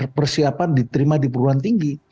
dan juga persiapan diterima di perurahan tinggi